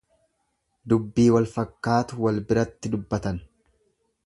Dubbii walfakkaatu walbiratti dubbatan.